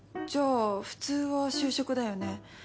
じゃあ普通は就職だよね？